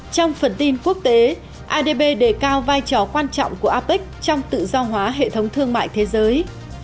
trong phần tin quốc tế adb đề cao vai trò quan trọng của apec trong tự do hóa hệ thống thương mại thế giới